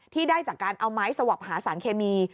ได้จากการเอาไม้สวับหาสารเคมี